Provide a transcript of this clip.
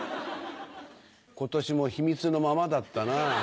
ことしも秘密のままだったな。